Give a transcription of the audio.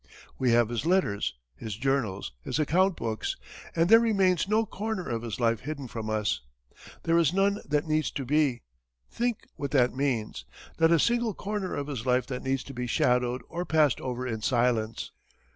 We have his letters, his journals, his account books, and there remains no corner of his life hidden from us. There is none that needs to be. Think what that means not a single corner of his life that needs to be shadowed or passed over in silence!